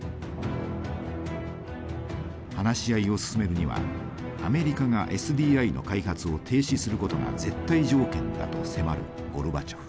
話し合いを進めるにはアメリカがＳＤＩの開発を停止することが絶対条件だと迫るゴルバチョフ。